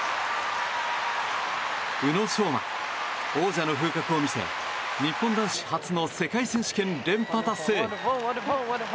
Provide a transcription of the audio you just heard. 宇野昌磨、王者の風格を見せ日本男子初の世界選手権連覇達成！